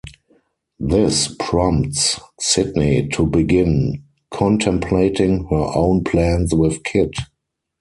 This prompts Sydney to begin contemplating her own plans with Kit.